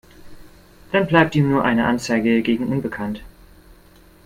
Dann bleibt ihm nur eine Anzeige gegen unbekannt.